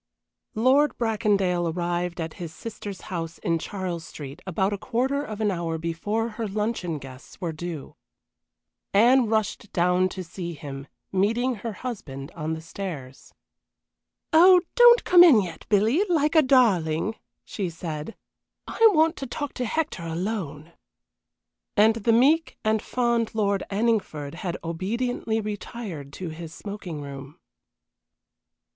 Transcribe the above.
XXI Lord Bracondale arrived at his sister's house in Charles Street about a quarter of an hour before her luncheon guests were due. Anne rushed down to see him, meeting her husband on the stairs. "Oh, don't come in yet, Billy, like a darling," she said, "I want to talk to Hector alone." And the meek and fond Lord Anningford had obediently retired to his smoking room.